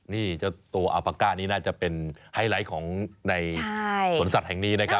นี่เจ้าตัวอัลปาก้านี่น่าจะเป็นไฮไลท์ของในสวนสัตว์แห่งนี้นะครับ